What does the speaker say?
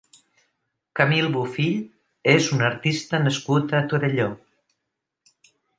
Camil Bofill és un artista nascut a Torelló.